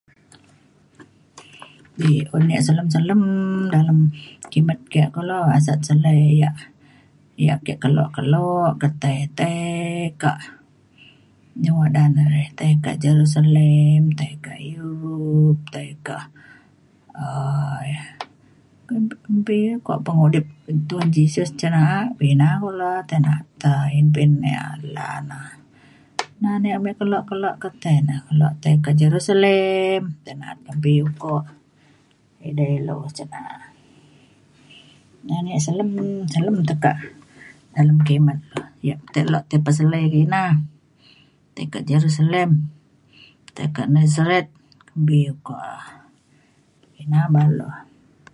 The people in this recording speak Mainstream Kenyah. [unintelligible] un ia’ selem selem dalem kimet ke kulo asat selai ia’ ia ake kelo kelo ketai tai ka inu ngadan ia’ re tai kak Jerusalem tai kak iu tai kak um ia’ kumbi kumbi ia’ kok pengudip Tuhan Jesus cin na’a pa ina kulo tai na’at te mpin yak na’at la na . Na na ia’ ame kelo kelo ke tai na kulo kelo tai kak Jerusalem tai na’at kumbi ukok edei lu cin na’a. Na na ia’ selem selem tekak dalem kimet ia’ tei le peselai kina tai ka Jerusalem tai kak Nazareth kumbi ukok um ina bah le.